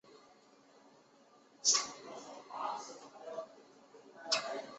蒂茹卡斯是巴西圣卡塔琳娜州的一个市镇。